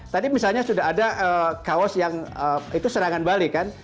tadi misalnya sudah ada kaos yang itu serangan balik kan